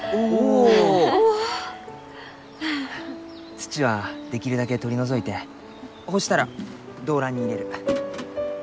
土はできるだけ取り除いてほうしたら胴乱に入れる。